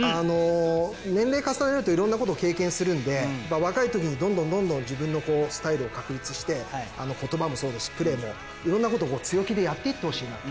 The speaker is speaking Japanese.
年齢重ねるといろんなことを経験するんで若い時にどんどんどんどん自分のスタイルを確立して言葉もそうだしプレーもいろんなこと強気でやっていってほしいなと。